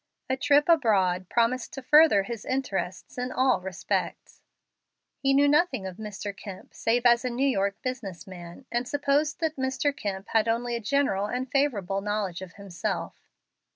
A trip abroad promised to further his interests in all respects. He knew nothing of Mr. Kemp save as a New York business man, and supposed that Mr. Kemp had only a general and favorable knowledge of himself.